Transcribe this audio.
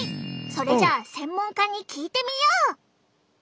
それじゃあ専門家に聞いてみよう！